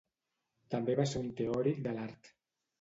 També va ser un teòric de l'art.